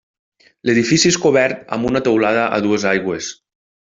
L'edifici és cobert amb una teulada a dues aigües.